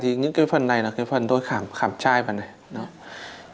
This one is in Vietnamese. thì những phần này là phần tôi khảm chai vào này